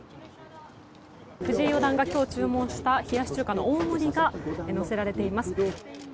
藤井四段が今日注文した冷やし中華の大盛りが乗せられています。